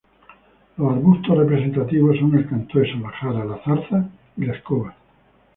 Los arbustos representativos son el cantueso, la jara, la zarza y la escoba.